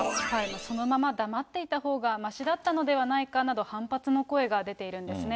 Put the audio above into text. そのまま黙っていたほうがましだったんじゃないかなど、反発の声が出ているんですね。